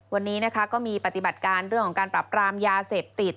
วันนี้นะคะก็มีปฏิบัติการเรื่องของการปรับปรามยาเสพติด